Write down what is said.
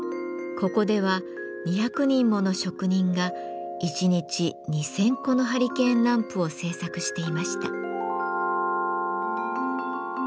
ここでは２００人もの職人が一日２，０００個のハリケーンランプを製作していました。